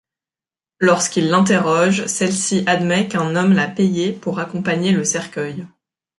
Lorsqu'ils l'interrogent, celle-ci admet qu'un homme l'a payée pour accompagner le cercueil.